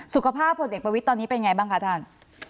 สุขภาพผลเด็กประวิดตอนนี้เป็นไงบ้างคะท่าน